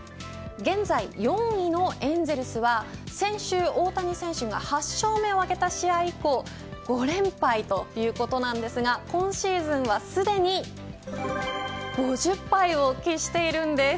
現在４位のエンゼルスは先週大谷選手が８勝目を挙げた試合以降５連敗ということなんですが今シーズンはすでに５０敗を喫しているんです。